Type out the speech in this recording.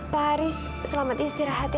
pak haris selamat istirahat